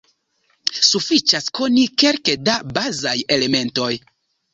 Sufiĉas koni kelke da bazaj elementoj.